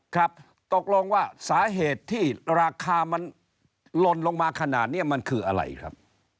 ครับตกลงว่าสาเหตุที่ราคามันลนลงมาขนาดนี้มันคืออะไรครับ